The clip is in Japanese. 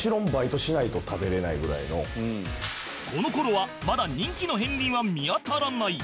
この頃はまだ人気の片鱗は見当たらない